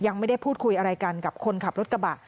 ยังไม่ได้พูดคุยอะไรกันกับคนขับรถกระบะ